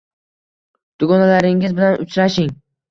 Dugonalaringiz bilan uchrashing